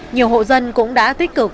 nhiều hộ dân cũng đã tích cực